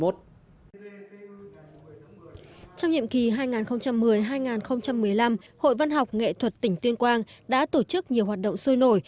trong nhiệm kỳ hai nghìn một mươi hai nghìn một mươi năm hội văn học nghệ thuật tỉnh tuyên quang đã tổ chức nhiều hoạt động sôi nổi